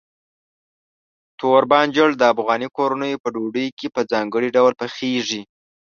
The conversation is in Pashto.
تور بانجان د افغاني کورنیو په ډوډۍ کې په ځانګړي ډول پخېږي.